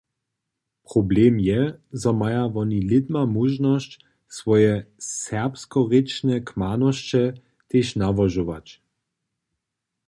Problem je, zo maja woni lědma móžnosć, swoje serbskorěčne kmanosće tež nałožować.